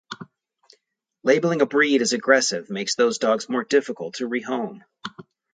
Labelling a breed as aggressive makes those dogs more difficult to rehome.